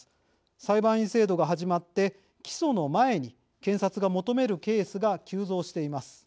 裁判員制度が始まって起訴の前に検察が求めるケースが急増しています。